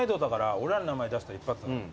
俺らの名前出せば一発だから。